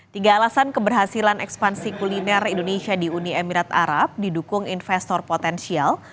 tiga alasan keberhasilan ekspansi kuliner indonesia di uni emirat arab didukung investor potensial